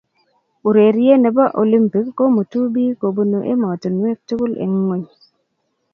Urerie ne bo olimpik komutuu biik kobunu emotinweek tugul eng ngony.